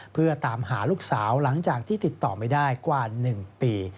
เพื่อตามหาลูกสาวหลังจากที่ติดต่อไม่ได้กว่า๑ปี